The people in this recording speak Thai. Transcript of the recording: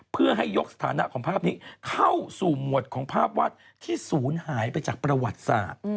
เพื่อให้ยกสถานะของภาพนี้เข้าสู่หมวดของภาพวาดที่ศูนย์หายไปจากประวัติศาสตร์